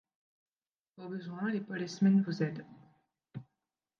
Au besoin les policemen vous aident.